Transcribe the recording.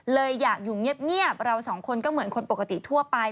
เลยอยากอยู่เงียบเราสองคนก็เหมือนคนปกติทั่วไป